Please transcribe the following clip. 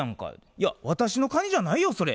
「いや私のカニじゃないよそれ」